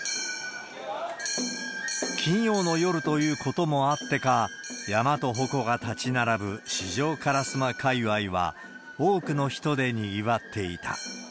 金曜の夜ということもあってか、山とほこが立ち並ぶ、四条烏丸界わいは、多くの人でにぎわっていた。